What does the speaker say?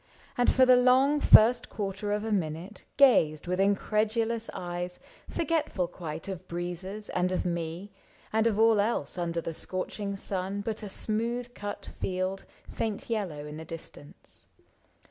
And for the long first quarter of a minute Gazed with incredulous eyes, forgetful quite Of breezes and of me and of all else Under the scorching sun but a smooth cut field. Faint yellow in the distance.